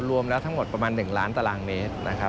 รวมแล้วทั้งหมดประมาณ๑ล้านตารางเมตร